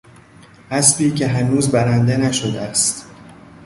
اسبی که هنوز برنده نشده است